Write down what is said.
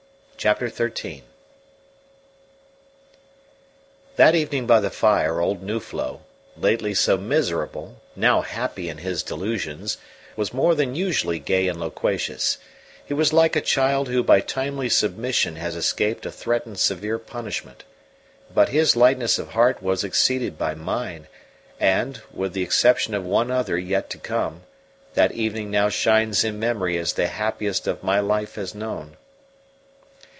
CHAPTER XIII That evening by the fire old Nuflo, lately so miserable, now happy in his delusions, was more than usually gay and loquacious. He was like a child who by timely submission has escaped a threatened severe punishment. But his lightness of heart was exceeded by mine; and, with the exception of one other yet to come, that evening now shines in memory as the happiest my life has known.